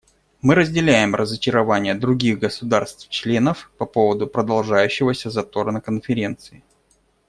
Мы разделяем разочарование других государств-членов по поводу продолжающегося затора на Конференции.